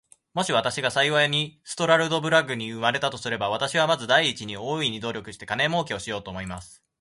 もし私が幸いにストラルドブラグに生れたとすれば、私はまず第一に、大いに努力して金もうけをしようと思います。